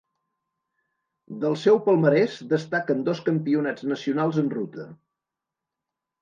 Del seu palmarès destaquen dos Campionats nacionals en ruta.